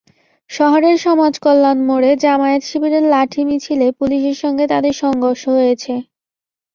শহরের সমাজকল্যাণ মোড়ে জামায়াত-শিবিরের লাঠি মিছিলে পুলিশের সঙ্গে তাদের সংঘর্ষ হয়েছে।